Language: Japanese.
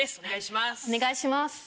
お願いします